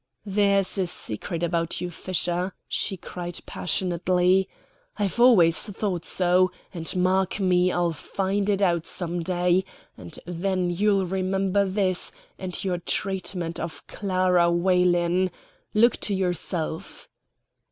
"There's a secret about you, Fischer," she cried passionately. "I've always thought so; and, mark me, I'll find it out some day; and then you'll remember this, and your treatment of Clara Weylin. Look to yourself."